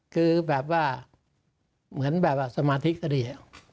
คือแบบว่าเหมือนสมาธิคตะเดีย